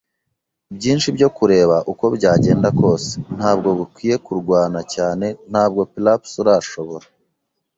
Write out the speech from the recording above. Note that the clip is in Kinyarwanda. byinshi byo kureba, uko byagenda kose. Ntabwo bikwiye kurwana cyane, ntabwo. P'r'aps urashobora